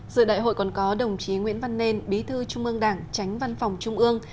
giữa đại hội còn có đồng chí nguyễn văn nên bí thư trung ương đảng tránh văn phòng trung ương